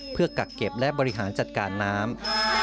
เพื่อกักเก็บและบริหารจัดการน้ำ